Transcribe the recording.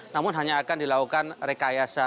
namun hanya akan dilakukan rekayasa